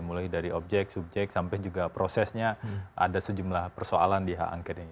mulai dari objek subjek sampai juga prosesnya ada sejumlah persoalan di hak angket ini